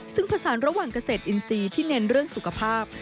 ซึ่งผสานระหว่างเกษตรอินทรีย์ที่เน้นเรื่องสุขภาพ